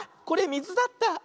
これみずだった。